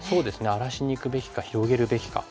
荒らしにいくべきか広げるべきか。